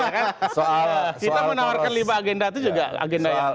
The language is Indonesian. kita menawarkan lima agenda itu juga agenda ya